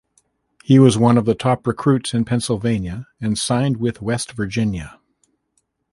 He was one of the top recruits in Pennsylvania and signed with West Virginia.